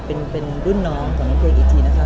เป็นรุ่นน้องของน้องเพลงอีกทีนะคะ